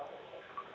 termasuk berhukum kita